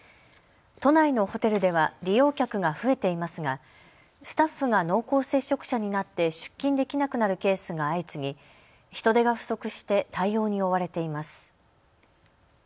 都内のホテルでは利用客が増えていますがスタッフが濃厚接触者になって出勤できなくなるケースが相次ぎ、人手が不足して対応に追われています。